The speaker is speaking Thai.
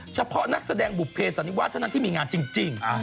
เฉพาะนักแสดงบุภเสันนิวาสเท่านั้นที่มีงานจริง